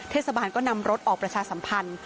เทศบาลก็นำรถออกประชาสัมพันธ์